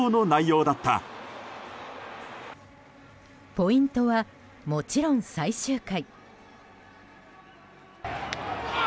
ポイントはもちろん、最終回。